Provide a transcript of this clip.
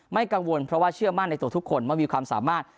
กังวลเพราะว่าเชื่อมั่นในตัวทุกคนว่ามีความสามารถ